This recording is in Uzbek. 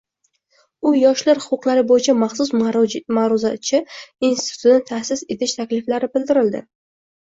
U Yoshlar huquqlari boʻyicha maxsus maʼruzachi institutini taʼsis etish takliflari bildirildi.